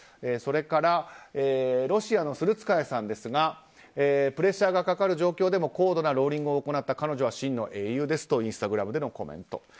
それからロシアのスルツカヤさんですがプレッシャーがかかる状況でも高度なローリングを行った彼女は真の英雄ですとインスタグラムでのコメント。